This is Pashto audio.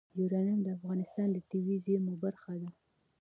یورانیم د افغانستان د طبیعي زیرمو برخه ده.